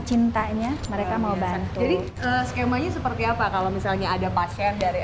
cintanya mereka mau bantu jadi skemanya seperti apa kalau misalnya ada pasien dari